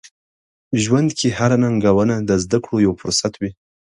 ژوند کې هره ننګونه د زده کړو یو فرصت دی.